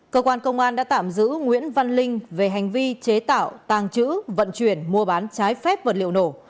cơ quan công an đã tạm giữ nguyễn văn linh về hành vi chế tạo tàng trữ vận chuyển mua bán trái phép vật liệu nổ